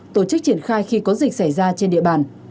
tổ chức triển khai khi có dịch xảy ra trên địa bàn